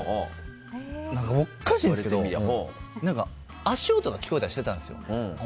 おかしいんですけど足音が聞こえたりしてたんですよ。